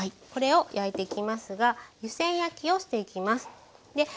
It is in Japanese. これを焼いていきますが湯煎焼きをしていきます。